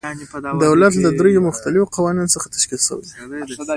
دولت له دریو مختلفو قواوو څخه تشکیل شوی دی.